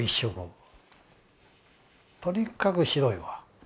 とにかく白いわ。